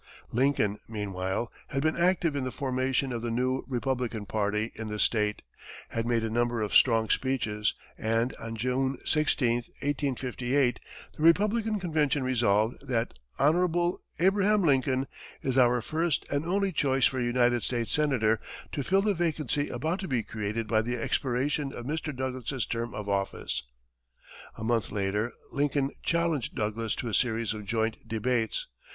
Lincoln, meanwhile, had been active in the formation of the new Republican party in the state, had made a number of strong speeches, and, on June 16, 1858, the Republican convention resolved that: "Hon. Abraham Lincoln is our first and only choice for United States senator to fill the vacancy about to be created by the expiration of Mr. Douglas's term of office." A month later, Lincoln challenged Douglas to a series of joint debates.